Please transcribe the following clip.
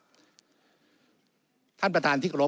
วุฒิสภาจะเขียนไว้ในข้อที่๓๐